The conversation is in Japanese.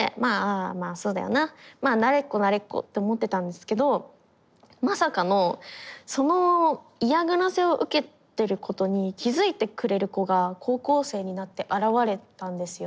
まあそうだよなまあ慣れっこ慣れっこって思ってたんですけどまさかのその嫌がらせを受けてることに気付いてくれる子が高校生になって現れたんですよ。